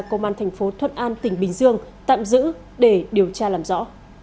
công an thành phố thuận an tỉnh bình dương tạm giữ để điều tra làm rõ